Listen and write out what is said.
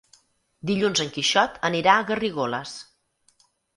Dilluns en Quixot anirà a Garrigoles.